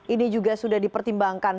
ini juga sudah dipertimbangkan